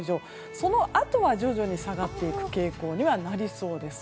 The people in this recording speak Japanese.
そのあとは徐々に下がっていく傾向になりそうです。